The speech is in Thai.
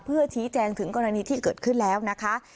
เพื่อชี้แจงถึงกรณีที่เกิดขึ้นแล้วนะคะ